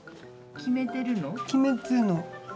決めてるの。